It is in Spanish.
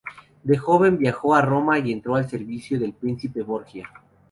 De joven viajó a Roma y entró al servicio del Príncipe Borgia.